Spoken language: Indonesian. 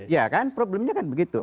ya kan problemnya kan begitu